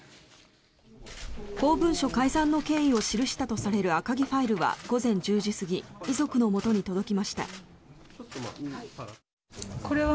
公文書改ざんの経緯を記したとされる赤木ファイルは午前１０時過ぎ遺族のもとに届きました。